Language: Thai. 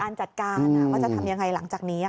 การจัดการว่าจะทำอย่างไรหลังจากนี้